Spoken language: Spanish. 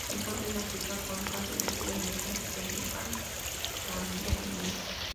Se encuentran en África: cuencas de los ríos Níger, Senegal, Gambia y Nilo.